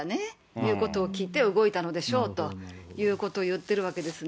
言うことを聞いて動いたのでしょうということを言ってるわけですね。